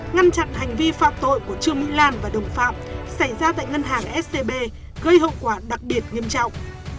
ngăn chặn hành vi phạm tội của trương mỹ lan và đồng phạm xảy ra tại ngân hàng scb gây hậu quả đặc biệt nghiêm trọng